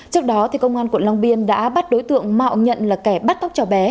trước đó công an quận long biên đã bắt đối tượng mạo nhận là kẻ bắt cóc cháu bé